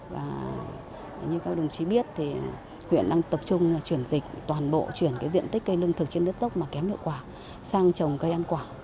và như các đồng chí biết thì huyện đang tập trung là chuyển dịch toàn bộ chuyển diện tích cây lương thực trên đất dốc mà kém hiệu quả sang trồng cây ăn quả